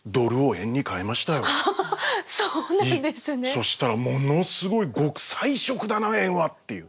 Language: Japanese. そしたら「ものすごい極彩色だな円は」っていう。